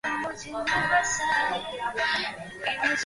তিনি কলকাতায় চলে যান।